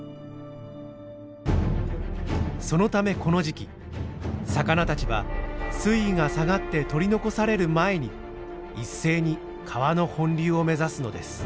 そのためこの時期魚たちは水位が下がって取り残される前に一斉に川の本流を目指すのです。